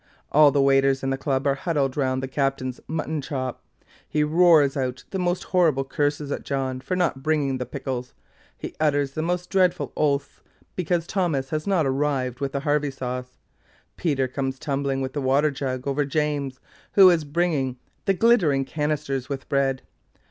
All the waiters in the Club are huddled round the captain's mutton chop. He roars out the most horrible curses at John for not bringing the pickles; he utters the most dreadful oaths because Thomas has not arrived with the Harvey Sauce; Peter comes tumbling with the water jug over Jeames, who is bringing 'the glittering canisters with bread.'